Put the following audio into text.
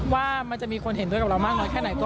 ว่ามันจะมีคนเห็นด้วยกับเรามาขนไหน